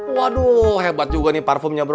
waduh hebat juga nih parfumnya bro